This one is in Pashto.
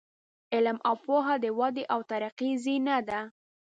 علم او پوهه د ودې او ترقۍ زینه ده.